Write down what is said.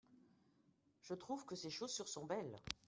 Je trouve que ces chaussures sont belles.